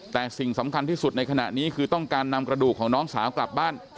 แต่สิ่งสำคัญที่สุดในขณะนี้คือต้องการนำกระดูกของน้องสาวกลับบ้าน